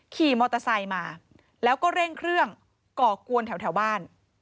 ขี่มอเตอร์ไซค์มาแล้วก็เร่งเครื่องก่อกวนแถวบ้าน